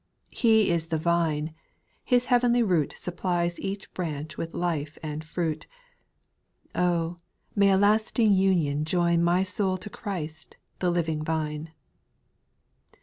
3. He is the Vine — His heavenly root Supplies each branch with life and fruit ; Oh 1 may a lasting union join My soul to Christ, the living Vine.